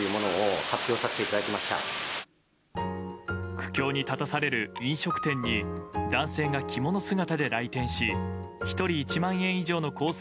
苦境に立たされる飲食店に男性が着物姿で来店し１人１万円以上のコース